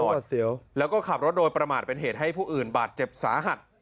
หวัดเสียวแล้วก็ขับรถโดยประมาทเป็นเหตุให้ผู้อื่นบาดเจ็บสาหัส